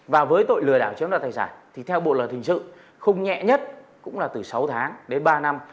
và với tội lừa đảo chiếm đoạt tài sản thì theo bộ luật hình sự không nhẹ nhất cũng là từ sáu tháng đến ba năm